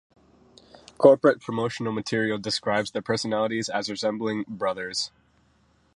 Corporate promotional material describes their personalities as resembling brothers.